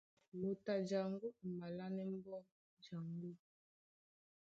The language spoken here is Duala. Moto a jaŋgó a malánɛ́ mbɔ́ ó jaŋgó.